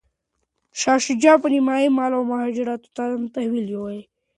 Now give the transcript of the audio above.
شاه شجاع به نیمایي مال مهاراجا ته تحویلوي.